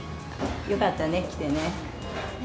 よかったね、来てね。